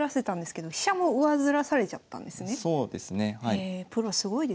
へえプロすごいですね。